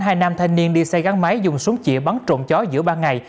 hai nam thanh niên đi xe gắn máy dùng súng chỉa bắn trộn chó giữa ba ngày